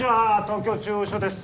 東京中央署です